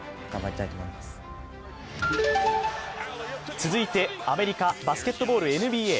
続いて、アメリカ・バスケットボール、ＮＢＡ。